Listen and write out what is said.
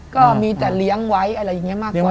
ก็มีแต่เลี้ยงไว้อะไรอย่างนี้มากกว่า